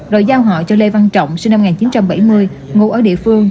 rồi giao họ cho lê văn trọng sinh năm một nghìn chín trăm bảy mươi ngụ ở địa phương